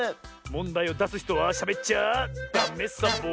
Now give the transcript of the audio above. もんだいをだすひとはしゃべっちゃダメサボ。